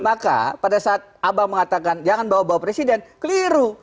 maka pada saat abang mengatakan jangan bawa bawa presiden keliru